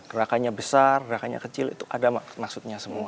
gerakannya besar gerakannya kecil itu ada maksudnya semua